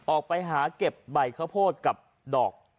ออกไปหาเก็บใบข้าวโพดกับดอก